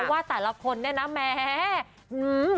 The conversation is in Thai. ว่าแต่ละคนเนี่ยนะแหม